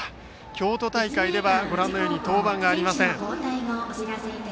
京都大会では登板がありませんでした。